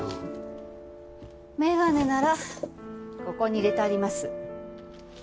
眼鏡ならここに入れてあります。